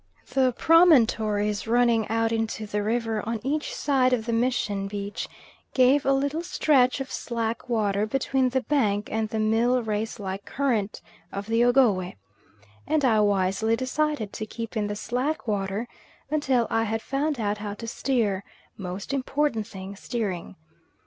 The promontories running out into the river on each side of the mission beach give a little stretch of slack water between the bank and the mill race like current of the Ogowe, and I wisely decided to keep in the slack water, until I had found out how to steer most important thing steering.